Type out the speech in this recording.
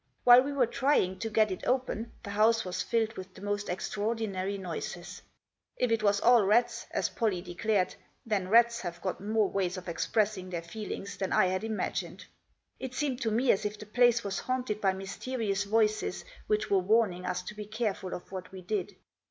While we were trying to get it open the house was filled with the most extraordinary noises. If it was all rats, as Pollie declared, then rats have got more ways of expressing their feelings than I had imagined. It seemed to me as if the place was haunted by mysterious voices which were warning us to be careful of what we did.